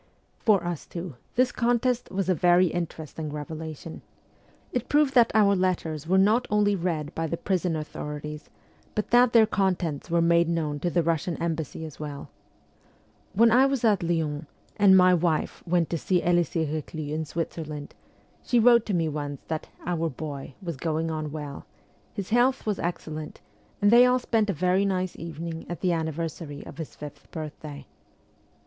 For us two, this contest was a very interesting revelation. It proved that our letters were not only read by the prison authorities, but that their contents were made known to the Russian embassy as well. When I was at Lyons, and my wife went to see 298 Elisee Eeclus in Switzerland, she wrote to me once that ' our boy ' was going on well ; his health was excellent, and they all spent a very nice evening at the anniversary of his fifth birthday.